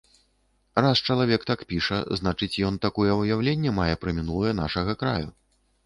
Раз чалавек так піша, значыць, ён такое ўяўленне мае пра мінулае нашага краю.